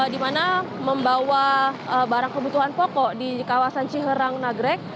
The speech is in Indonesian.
di mana membawa barang kebutuhan pokok di kawasan ciherang nagrek